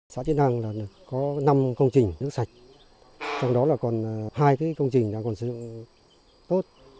sở tiến hàng có năm công trình nước sạch trong đó là hai công trình đã còn sử dụng tốt